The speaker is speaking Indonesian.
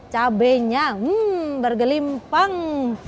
cabenya hmm bergelimpang